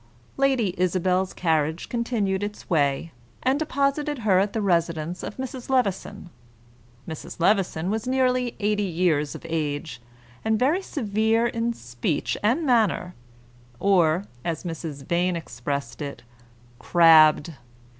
Lady Isabel's carriage continued its way, and deposited her at the residence of Mrs. Levison. Mrs. Levison was nearly eighty years of age, and very severe in speech and manner, or, as Mrs. Vane expressed it, "crabbed."